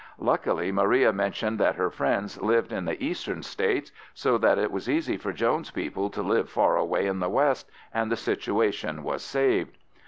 Luckily Maria mentioned that her friends lived in the Eastern States, so that it was easy for Jones's people to live far away in the west, and the situation was saved.